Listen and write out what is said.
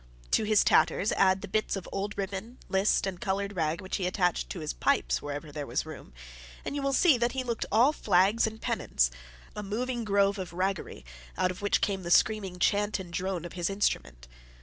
To his tatters add the bits of old ribbon, list, and coloured rag which he attached to his pipes wherever there was room, and you will see that he looked all flags and pennons a moving grove of raggery, out of which came the screaming chant and drone of his instrument.